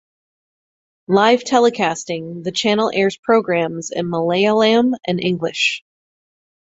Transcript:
Live telecasting The channel airs programs in Malayalam and English.